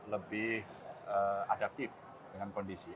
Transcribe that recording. lebih adaptif dengan kondisi